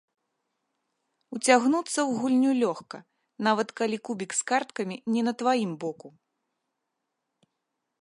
Уцягнуцца ў гульню лёгка, нават калі кубік з карткамі не на тваім боку.